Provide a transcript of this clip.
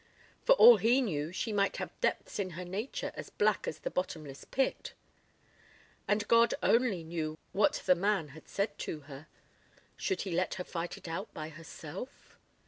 For all he knew she might have depths in her nature as black as the bottomless pit. And God only knew what the man had said to her. ... Should he let her fight it out by herself?